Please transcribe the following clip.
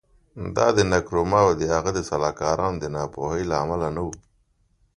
دا د نکرومه او د هغه د سلاکارانو د ناپوهۍ له امله نه و.